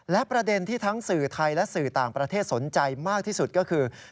และประเด็นที่ทั้งสื่อไทยและสื่อต่างประเทศสนใจมากที่สุดก็คือ